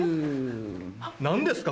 何ですか？